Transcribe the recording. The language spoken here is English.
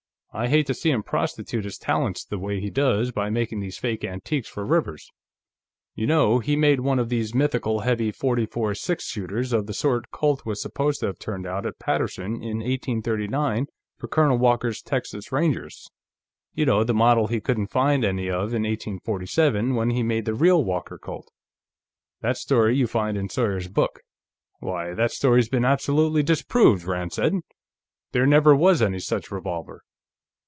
I hate to see him prostitute his talents the way he does by making these fake antiques for Rivers. You know, he made one of these mythical heavy .44 six shooters of the sort Colt was supposed to have turned out at Paterson in 1839 for Colonel Walker's Texas Rangers you know, the model he couldn't find any of in 1847, when he made the real Walker Colt. That story you find in Sawyer's book." "Why, that story's been absolutely disproved," Rand said. "There never was any such revolver."